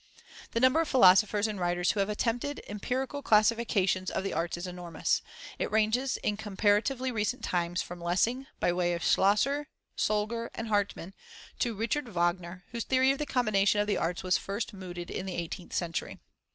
The number of philosophers and writers who have attempted empirical classifications of the arts is enormous: it ranges in comparatively recent times from Lessing, by way of Schasler, Solger, and Hartmann, to Richard Wagner, whose theory of the combination of the arts was first mooted in the eighteenth century.